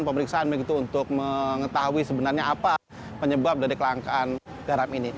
pemeriksaan begitu untuk mengetahui sebenarnya apa penyebab dari kelangkaan garam ini